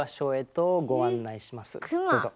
どうぞ。